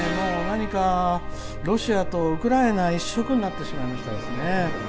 何かロシアとウクライナ一色になってしまいましたね。